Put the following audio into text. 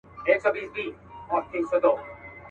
کرۍ ورځ به کړېدی د زوی له غمه.